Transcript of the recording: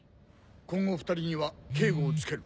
今後２人には警護をつける。